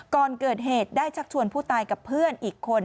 ก่อนเกิดเหตุได้ชักชวนผู้ตายกับเพื่อนอีกคน